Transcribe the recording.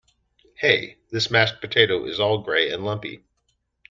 Hey! This mashed potato is all grey and lumpy!